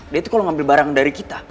dia tuh kalo ngambil barang dari kita